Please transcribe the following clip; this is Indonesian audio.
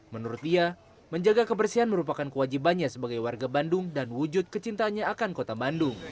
menurut dia menjaga kebersihan merupakan kewajibannya sebagai warga bandung dan wujud kecintaannya akan kota bandung